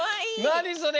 なにそれ！？